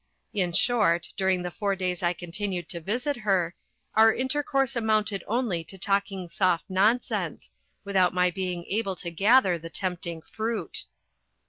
In short, during the four days I continued to visit her, our intercourse amounted only to talking soft nonsense, without my being able to gather the tempting fruit.